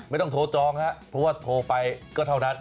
ไม่ต้องโทรจองครับเพราะว่าโทรไปก็เท่านั้น